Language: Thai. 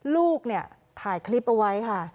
ลูกเนี่ยถ่ายคลิปเอาไว้ค่ะ